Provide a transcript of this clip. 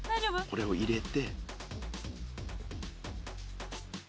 これを入れて。